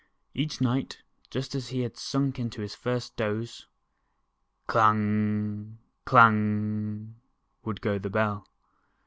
Each night, just as he had sunk into his first doze, "clang, clang" would go the Bell.